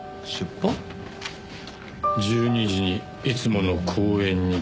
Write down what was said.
「１２時にいつもの公園に来て欲しい」